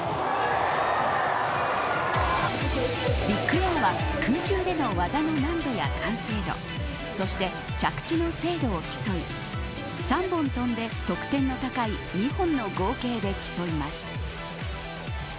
ビッグエアは空中での技の難度や完成度そして、着地の精度を競い３本飛んで、得点の高い日本の合計で競います。